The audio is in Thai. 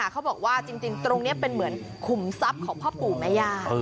เขาบอกว่าจริงตรงนี้เป็นเหมือนขุมทรัพย์ของพ่อปู่แม่ย่า